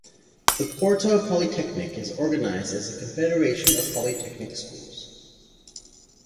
The Porto Polytechnic is organized as a confederation of polytechnic schools.